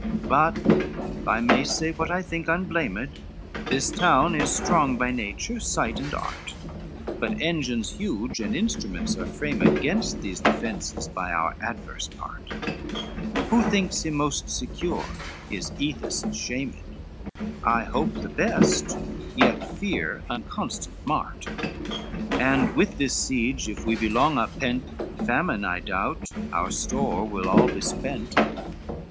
XLII "But, if I may say what I think unblamed, This town is strong, by nature, site and art, But engines huge and instruments are framed Gainst these defences by our adverse part, Who thinks him most secure is eathest shamed; I hope the best, yet fear unconstant mart, And with this siege if we be long up pent, Famine I doubt, our store will all be spent.